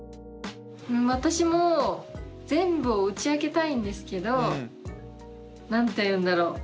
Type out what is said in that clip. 私も全部を打ち明けたいんですけど何て言うんだろう